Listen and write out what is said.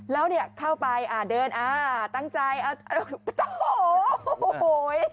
แล้วเข้าไปเดินตั้งใจโอ้โฮ